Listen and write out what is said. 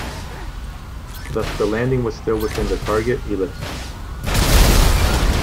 Thus the landing was still within the target ellipse.